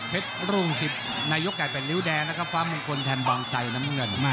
เพชรุงสิบนายกไก่เป็นริ้วแดงแล้วก็ฟ้ามงคลแทนบางไซน์น้ำเงิน